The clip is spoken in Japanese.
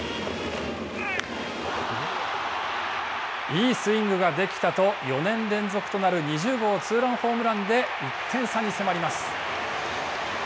いいスイングができたと４年連続となる２０号ツーランホームランで１点差に迫ります。